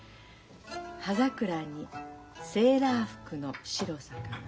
「葉桜にセーラー服の白さかな」。